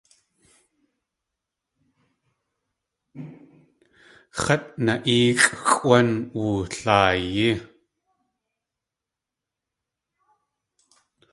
X̲at na.éexʼ xʼwán wulaayí.